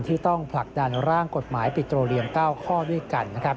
ที่ต้องผลักดันร่างกฎหมายปิโตเรียม๙ข้อด้วยกัน